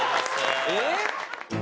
えっ。